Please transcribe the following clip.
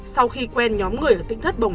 sau khi quen nhóm người ở tỉnh thất bồng